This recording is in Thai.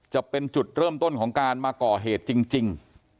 จะเป็นจุดเริ่มต้นของการมาก่อเหตุจริง